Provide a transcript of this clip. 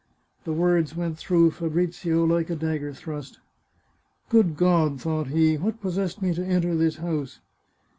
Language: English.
The words went through Fabrizio like a dagger thrust. " Good God !" thought he, " what pos sessed me to enter this house